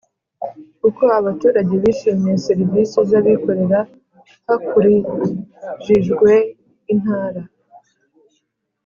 Uko abaturage bishimiye serivisi z abikorera hakurijijwe intara